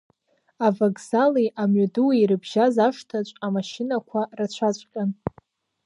Авокзали амҩадуи ирыбжьаз ашҭаҿ амашьынақәа рацәаҵәҟьан.